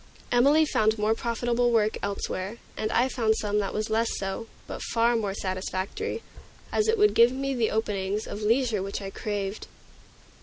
Emilie found more profitable work elsewhere, and I found some that was less so, but far more satisfactory, as it would give me the openings of leisure which I craved.